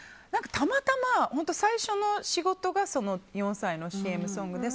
たまたま、本当最初の仕事が４歳のＣＭソングで。